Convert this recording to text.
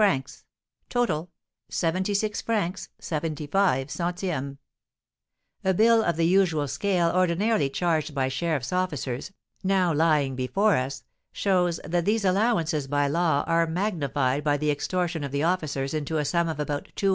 _ Total, 76_f._ 75_c._ A bill of the usual scale ordinarily charged by sheriffs' officers, now lying before us, shows that these allowances by law are magnified by the extortion of the officers into a sum of about 240_f.